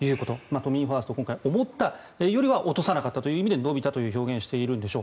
都民ファーストは今回思ったよりは落とさなかったという意味で伸びたという表現をしているんでしょう。